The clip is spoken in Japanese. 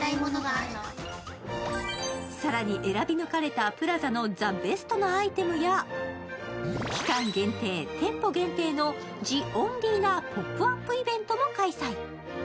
更に選び抜かれたＰＬＡＺＡのザ・ベストなアイテムや、期間限定、店舗限定のジ・オンリーなポップアップイベントも開催。